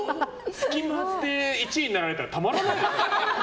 隙間で１位になられたらたまらないですね。